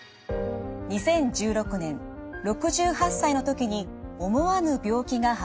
２０１６年６８歳の時に思わぬ病気が発覚しました。